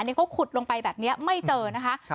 นี่เขาขุดลงไปแบบนี้ไม่เจอนะคะ